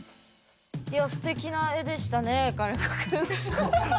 いやすてきな絵でしたね金子くん。